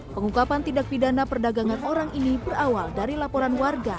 pengungkapan tindak pidana perdagangan orang ini berawal dari laporan warga